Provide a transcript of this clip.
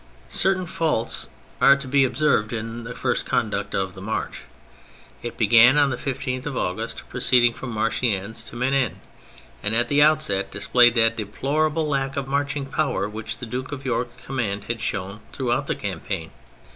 Certain faults are to be observed in the first conduct of the march. It began on the 15th of August, proceeding from Marchiennes to Menin, and at the outset displayed that deplorable lack of marching power which the Duke of York's command had shown throughout the campaign.